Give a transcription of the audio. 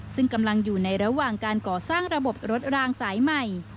ซึ่งกำลังอยู่ในระหว่างการก่อสร้างระบบรถรางสายใหม่